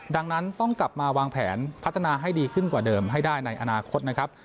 ดังนั้นต้องกลับมาวางแผนพัฒนาให้ดีขึ้นกว่าเดิมให้ได้ในอนาคตนะครับ